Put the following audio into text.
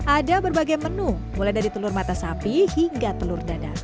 ada berbagai menu mulai dari telur mata sapi hingga telur dada